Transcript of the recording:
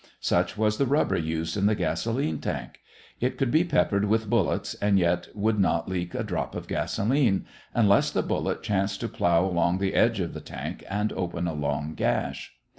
Such was the rubber used in the gasolene tank. It could be peppered with bullets and yet would not leak a drop of gasolene, unless the bullet chanced to plow along the edge of the tank and open a long gash.